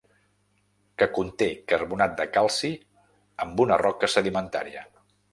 Que conté carbonat de calci amb una roca sedimentària.